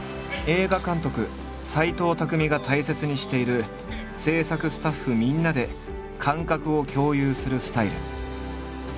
映画監督・斎藤工が大切にしている制作スタッフみんなで感覚を共有するスタイル。